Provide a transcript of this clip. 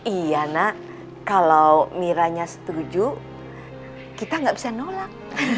iya nak kalau miranya setuju kita gak bisa nolak